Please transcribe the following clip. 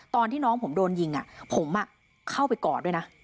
ตอนที่น้องผมโดนยิงผมเข้าไปกอดด้วยนะ